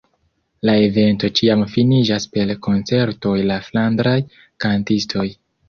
La evento ĉiam finiĝas per koncertoj de flandraj kantistoj.